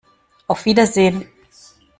Auf Wiedersehen!